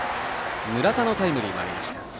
村田のタイムリーもありました。